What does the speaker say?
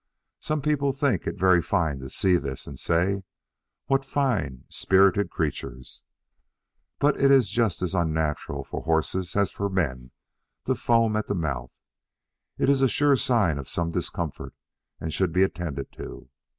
Some people think it very fine to see this, and say, "What fine, spirited creatures!" But it is just as unnatural for horses as for men to foam at the mouth; it is a sure sign of some discomfort, and should be attended to.